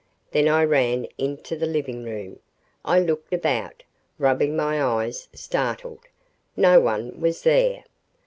Then I ran into the living room. I looked about, rubbing my eyes, startled. No one was there.